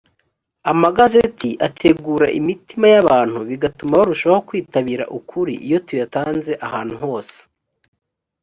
amagazeti ategura imitima y’abantu bigatuma barushaho kwitabira ukuri iyo tuyatanze ahantu hose